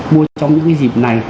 mua trong những cái dịp này